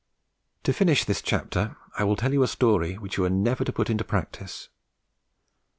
To finish this chapter, I will tell you a story which you are never to put into practice.